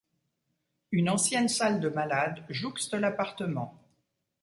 Une ancienne salle de malades jouxte l'appartement.